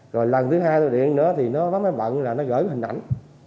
rồi lần thứ hai tôi đi ăn nữa thì nó bắt máy bận là nó gửi hình ảnh